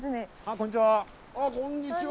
こんにちは。